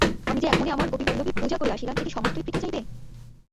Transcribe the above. আমি যে একমনে আমার গোপীবল্লভের পূজা করিয়া আসিলাম সে কি সমস্তই বৃথা যাইবে!